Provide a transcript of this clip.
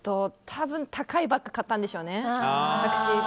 たぶん高いバッグ買ったんでしょうね。